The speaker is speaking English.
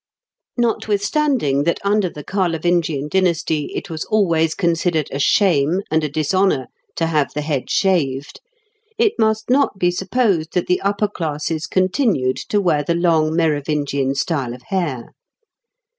] Notwithstanding that under the Carlovingian dynasty it was always considered a shame and a dishonour to have the head shaved, it must not be supposed that the upper classes continued to wear the long Merovingian style of hair.